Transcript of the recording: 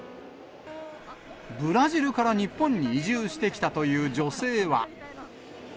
ブラジルから日本に移住してきたという女性は。